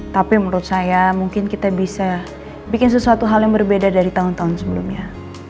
tapi menurut saya mungkin kita bisa bikin sesuatu hal yang berbeda dari tahun tahun sebelumnya